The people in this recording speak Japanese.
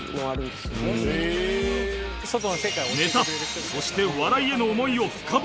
ネタそして笑いへの思いを深掘り